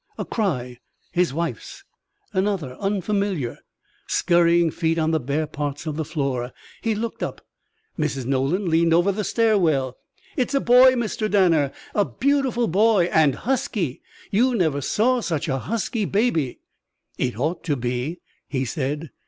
A cry his wife's. Another unfamiliar. Scurrying feet on the bare parts of the floor. He looked up. Mrs. Nolan leaned over the stair well. "It's a boy, Mr. Danner. A beautiful boy. And husky. You never saw such a husky baby." "It ought to be," he said.